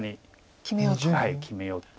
決めようと。